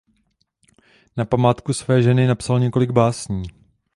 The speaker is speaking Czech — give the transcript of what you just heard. Na památku své ženy napsal několik básní.